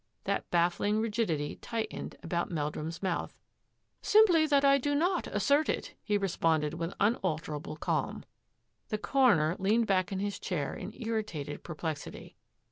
That baffling rigidity tightened about Meldrum's mouth. " Simply that I do not assert it," he responded with unalterable calm. The coroner leaned back in his chair in irritated perplexity.